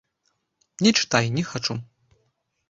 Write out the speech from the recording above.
Не чытай, не хачу.